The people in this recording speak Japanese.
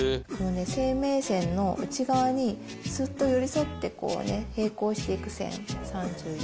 生命線の内側にすっと寄り添ってこうね平行していく線。